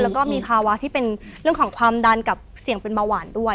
แล้วก็มีภาวะที่เป็นเรื่องของความดันกับเสี่ยงเป็นเบาหวานด้วย